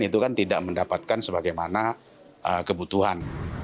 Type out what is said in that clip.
itu kan tidak mendapatkan sebagaimana kebutuhan